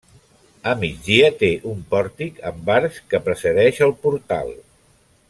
A migdia té un pòrtic amb arcs que precedeix el portal.